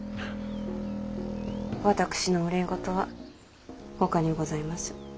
私の憂い事はほかにございます。